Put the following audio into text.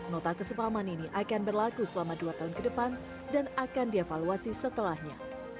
nota kesepahaman ini akan berlaku selama dua tahun ke depan dan akan dievaluasi setelahnya